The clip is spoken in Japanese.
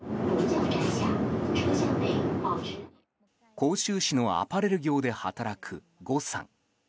広州市のアパレル業で働くゴさん。